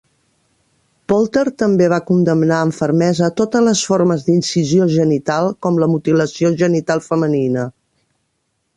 Poulter també va condemnar amb fermesa totes les formes d'incisió genital, com la mutilació genital femenina.